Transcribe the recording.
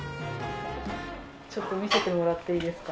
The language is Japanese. ちょっと見せてもらっていいですか？